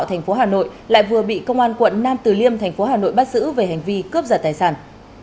thành phố hà nội lại vừa bị công an quận nam từ liêm thành phố hà nội bắt giữ về hành vi cướp giật tài sản